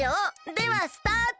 ではスタート！